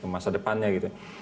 masa depannya gitu